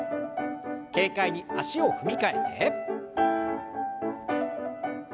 軽快に足を踏み替えて。